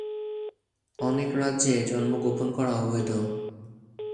অনেক রাজ্যে জন্ম গোপন করা অবৈধ।